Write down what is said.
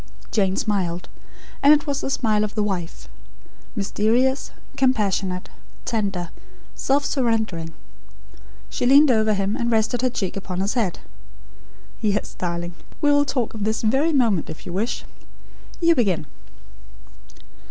Jane smiled; and it was the smile of "The Wife" mysterious; compassionate; tender; self surrendering. She leaned over him, and rested her cheek upon his head. "Yes, darling. We will talk of this very moment, if you wish. You begin."